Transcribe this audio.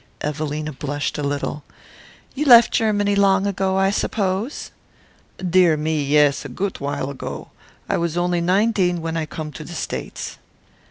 Evelina blushed a little. "You left Germany long ago, I suppose?" "Dear me yes, a goot while ago. I was only ninedeen when I come to the States."